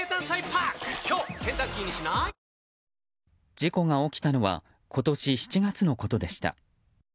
事故が起きたのは今年７月のことでした。